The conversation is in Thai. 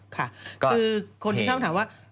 ค่ะคือคนที่ชอบถามว่า